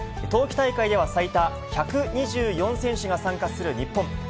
冬季大会では最多１２４選手が参加する日本。